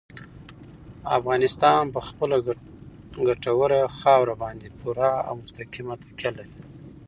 افغانستان په خپله ګټوره خاوره باندې پوره او مستقیمه تکیه لري.